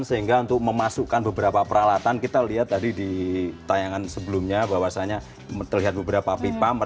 sehingga untuk memasukkan beberapa peralatan kita lihat tadi di tayangan sebelumnya bahwasannya terlihat beberapa pipa